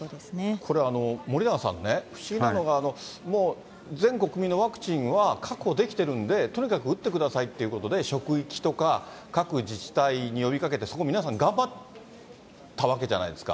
これ、森永さんね、不思議なのが、もう全国民のワクチンは確保できてるんで、とにかく打ってくださいということで、職域とか、各自治体に呼びかけて、そこ皆さん頑張ったわけじゃないですか。